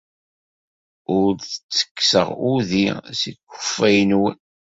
Ur d-ttekkseɣ udi seg ukeffay-nwen.